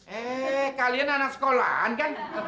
eh kalian anak sekolahan kan